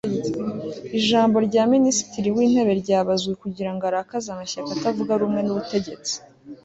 ijambo rya minisitiri w'intebe ryabazwe kugira ngo arakaze amashyaka atavuga rumwe n'ubutegetsi